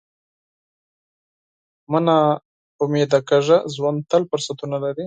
مه نا امیده کېږه، ژوند تل فرصتونه لري.